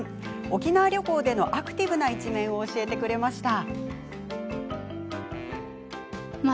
沖縄旅行でのアクティブな一面を教えてくれました。